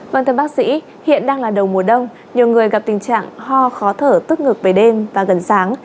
vâng thưa bác sĩ hiện đang là đầu mùa đông nhiều người gặp tình trạng ho khó thở tức ngực về đêm và gần sáng